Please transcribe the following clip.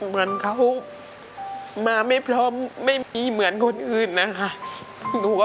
เหมือนเขามาไม่พร้อมไม่มีเหมือนคนอื่นนะคะ